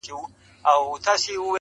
هغه پلار یې چي یو وخت شاه جهان وو!!